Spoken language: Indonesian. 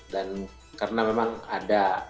dan karena memang ada